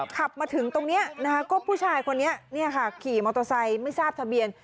ขับมาถึงตรงนี้นะคะก็ผู้ชายคนนี้ขี่มอเตอร์ไซค์ไม่ทราบทะเบียน